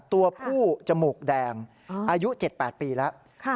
ตัวผู้จมูกแดงอายุ๗๘ปีแล้ว